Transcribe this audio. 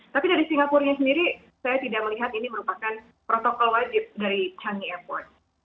tapi dari singapura sendiri saya tidak melihat ini merupakan protokol wajib dari changi airport